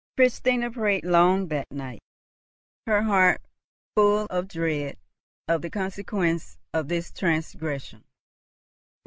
Christina prayed long that night, her heart full of dread of the consequence of this transgression.